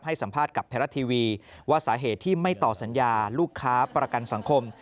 สัมภาษณ์กับไทยรัฐทีวีว่าสาเหตุที่ไม่ต่อสัญญาลูกค้าประกันสังคม